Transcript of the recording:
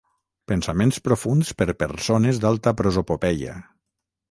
pensaments profunds per persones d'alta prosopopeia